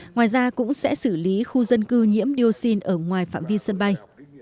ngoài ra cũng sẽ xử lý khu dân cư nhiễm dioxin ở ngoài phạm vi sân bay